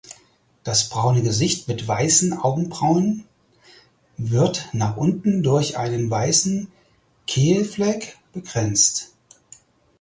Das braune Gesicht mit weißen Augenbrauen wird nach unten durch einen weißen Kehlfleck begrenzt.